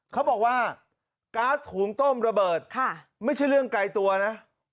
เขาบอกว่าก๊าซหุงต้มระเบิดไม่ใช่เรื่องไกลตัวนะ